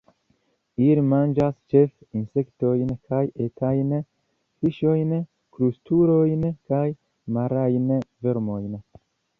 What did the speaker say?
Ili manĝas ĉefe insektojn kaj etajn fiŝojn, krustulojn kaj marajn vermojn.